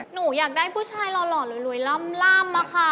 หนูอยากได้ผู้ชายหล่อรวยล่ำอะค่ะ